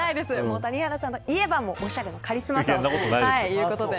谷原さんといえば、おしゃれのカリスマということで。